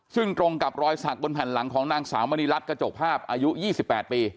ซึ่งตรงกับรอยสักบนแผ่นหลังของนางสาวมณีรัฐกระจกภาพอายุ๒๘ปี